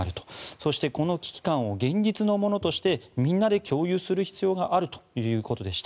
そして、この危機感を現実のものとしてみんなで共有する必要があるということでした。